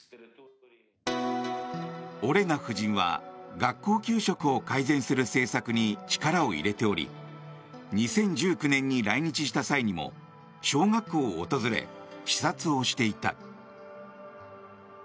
オレナ夫人は学校給食を改善する政策に力を入れており２０１９年に来日した際にも小学校を訪れ視察をしていた。